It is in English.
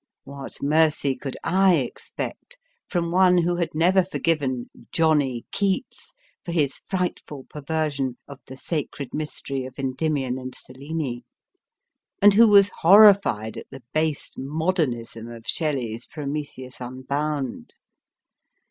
What mercy could / expect from one who had never forgiven Johnny Keats for his frightful per version of the sacred mystery of Endymion and Selene ? and who was horrified at the base modernism of Shelley s * Prometheus Unbound